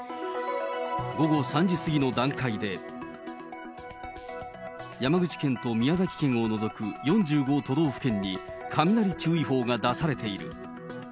午後３時過ぎの段階で、山口県と宮崎県を除く４５都道府県に雷注意報が出されている。